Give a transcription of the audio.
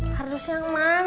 kardus yang mana